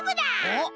おっ！